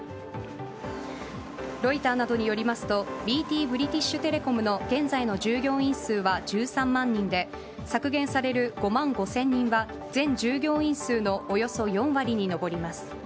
ロイターなどによりますとＢＴ・ブリティッシュ・テレコムの現在の従業員数は１３万人で削減される５万５０００人は全従業員数のおよそ４割に上ります。